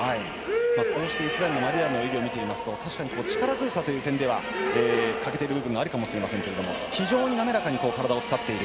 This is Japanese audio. こうしてイスラエルのマリヤールの腕を見ていますと確かに力強さという点では欠けている部分があるかもしれませんが非常に滑らかに体を使っている。